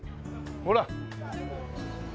ほら。